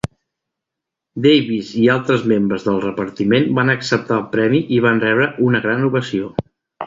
Davis i altres membres del repartiment van acceptar el premi i va rebre una gran ovació.